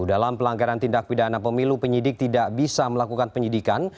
dalam pelanggaran tindak pidana pemilu penyidik tidak bisa melakukan penyidikan